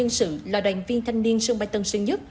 tăng cường nhân sự là đoàn viên thanh niên sân bay tân sơn nhất